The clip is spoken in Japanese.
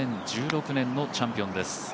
２０１６年のチャンピオンです。